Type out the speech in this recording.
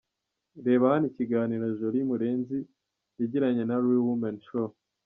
Reba hano ikiganiro Jolie Murenzi yagiranye na Real Women Show .